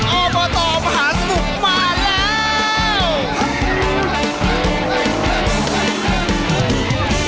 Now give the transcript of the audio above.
อบตมหาสนุกมาแล้ว